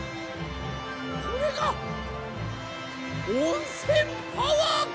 これが温泉パワーか！